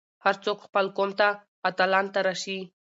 هر څوک خپل قوم ته اتلان تراشي.